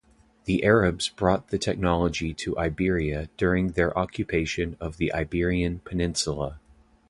The Arabs brought the technology to Iberia during their occupation of the Iberian peninsula.